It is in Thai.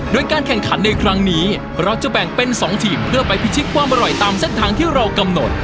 โดยการแข่งขันในครั้งนี้เราจะแบ่งเป็น๒ทีมเพื่อไปพิชิตความอร่อยตามเส้นทางที่เรากำหนด